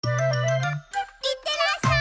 いってらっしゃい！